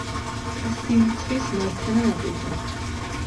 ფსირცხის მარცხენა ნაპირზე.